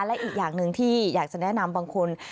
และอีกอย่างหนึ่งที่อยากจะแนะนำบางคน